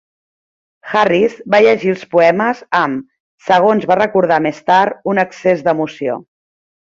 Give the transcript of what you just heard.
Harris va llegir els poemes amb, segons va recordar més tard, un excés d'emoció.